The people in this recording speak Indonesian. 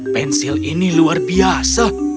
pensil ini luar biasa